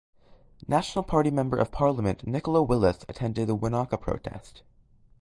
National Party Member of Parliament Nicola Willis attended the Wanaka protest.